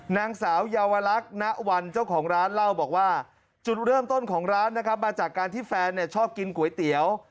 นางสาวเยาวลักษณ์ณวันเจ้าของร้านเล่าบอกว่าจุดเริ่มต้นของร้านนะครับมาจากการที่แฟนชอบกินก๋วยเตี๋ยว